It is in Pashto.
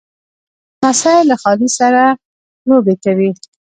لمسی له خالې سره لوبې کوي.